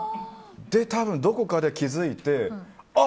多分、どこかで気づいてあ！